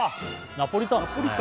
ナポリタンだね